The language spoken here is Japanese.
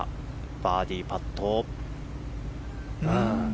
バーディーパット。